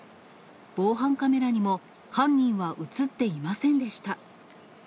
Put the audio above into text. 防犯カメラにも犯人は写っていませんでした。